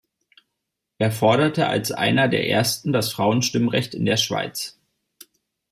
Er forderte als einer der ersten das Frauenstimmrecht in der Schweiz.